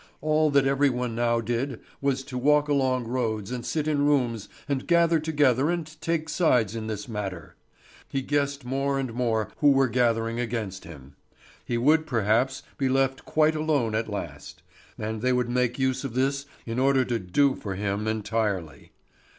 All that every one now did was to walk along roads and sit in rooms and gather together and take sides in this matter. He guessed more and more who were gathering against him. He would perhaps be left quite alone at last; and they would make use of this in order to do for him entirely.